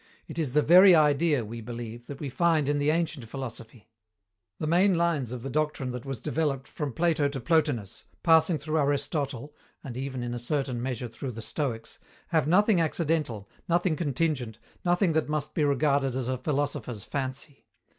It is the very idea, we believe, that we find in the ancient philosophy. The main lines of the doctrine that was developed from Plato to Plotinus, passing through Aristotle (and even, in a certain measure, through the Stoics), have nothing accidental, nothing contingent, nothing that must be regarded as a philosopher's fancy.